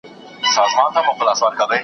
له یخنیه دي بې واکه دي لاسونه .